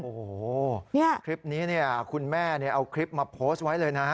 โอ้โหคลิปนี้คุณแม่เอาคลิปมาโพสต์ไว้เลยนะ